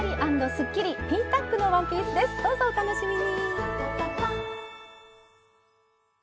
どうぞお楽しみに！